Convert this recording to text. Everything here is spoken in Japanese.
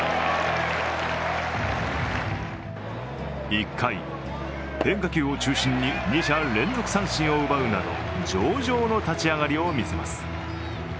１回、変化球を中心に二者連続三振を奪うなど上々の立ち上がりを見せます。